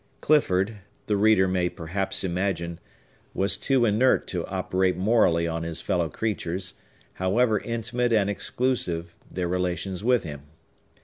Clifford, the reader may perhaps imagine, was too inert to operate morally on his fellow creatures, however intimate and exclusive their relations with him.